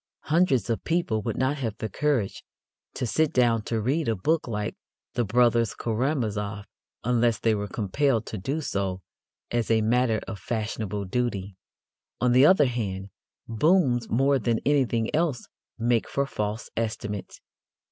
Hundreds of people would not have the courage to sit down to read a book like The Brothers Karamazov unless they were compelled to do so as a matter of fashionable duty. On the other hand, booms more than anything else make for false estimates.